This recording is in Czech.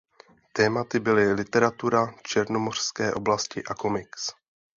Tématy byly literatura černomořské oblasti a komiks.